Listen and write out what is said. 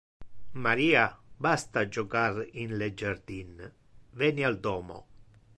Maria, basta jocar in le jardin, veni al domo.